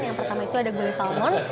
yang pertama itu ada gulai salmon